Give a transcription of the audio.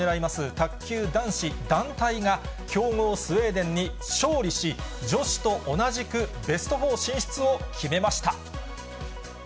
卓球男子団体が、強豪、スウェーデンに勝利し、女子と同じくベスト４進出を決めました。